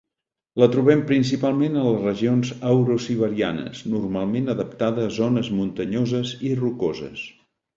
La trobem principalment a les regions eurosiberianes, normalment adaptada a zones muntanyoses i rocoses.